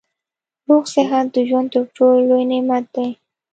روغ صحت د ژوند تر ټولو لوی نعمت دی